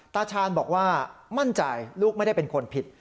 ตาชาญบอกว่ามั่นใจลูกไม่ได้เป็นคนผิด